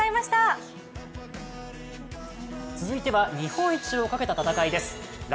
続いては日本一をかけた戦いです。